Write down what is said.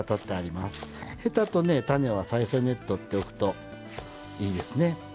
ヘタと種は最初に取っておくといいですね。